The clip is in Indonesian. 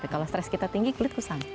kalau stres kita tinggi kulit kusam